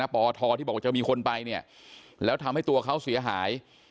ปอทที่บอกว่าจะมีคนไปเนี่ยแล้วทำให้ตัวเขาเสียหาย